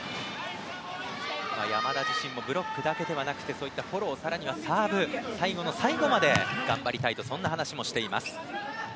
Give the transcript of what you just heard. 山田自身もブロックだけでなくそういったフォロー更にはサーブ最後の最後まで頑張りたいと話しています。